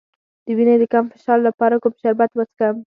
د وینې د کم فشار لپاره کوم شربت وڅښم؟